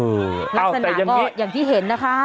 เออเอาแต่อย่างนี้ลักษณะก็อย่างที่เห็นนะคะ